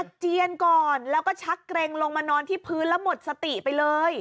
เจียนก่อนแล้วก็ชักเกร็งลงมานอนที่พื้นแล้วหมดสติไปเลย